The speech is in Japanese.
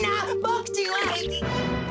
ボクちんは。